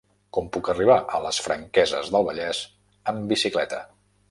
Com puc arribar a les Franqueses del Vallès amb bicicleta?